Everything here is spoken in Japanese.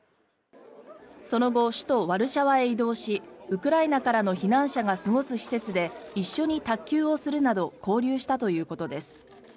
その後、首都ワルシャワへ移動しウクライナからの避難者が過ごす施設で一緒に卓球をするなど交流したということです。